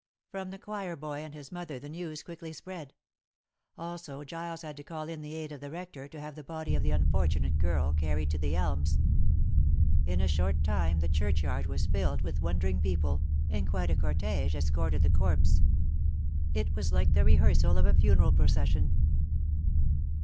From the choir boy and his mother the news quickly spread. Also Giles had to call in the aid of the rector to have the body of the unfortunate girl carried to The Elms. In a short time the churchyard was filled with wondering people, and quite a cortege escorted the corpse. It was like the rehearsal of a funeral procession.